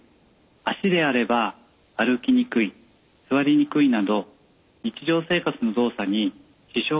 足であれば歩きにくい座りにくいなど日常生活の動作に支障が出てきます。